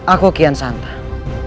aku kian santang